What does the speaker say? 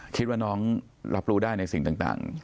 คิดว่าน้องรับรู้ได้ในสิ่งต่าง